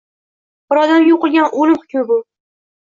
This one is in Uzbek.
Bir odamga o’qilgan o’lim hukmi bu